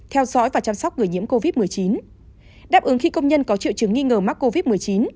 theo dõi và chăm sóc người nhiễm covid một mươi chín đáp ứng khi công nhân có triệu chứng nghi ngờ mắc covid một mươi chín